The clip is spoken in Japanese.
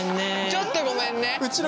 ちょっとごめんね。